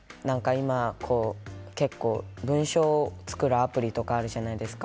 今、文章を作るアプリがあるじゃないですか。